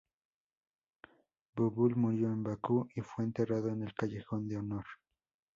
Bulbul murió en Bakú y fue enterrado en el Callejón de Honor.